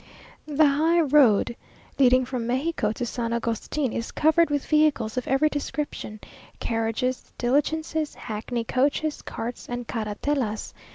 The high road leading from Mexico to San Agustin is covered with vehicles of every description; carriages, diligences, hackney coaches, carts, and carratelas.